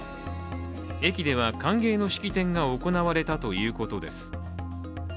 駅では歓迎の式典が行われたということです。